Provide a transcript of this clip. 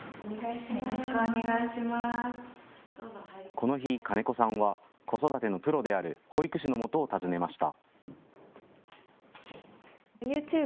この日、金子さんは子育てのプロである保育士のもとを訪ねました。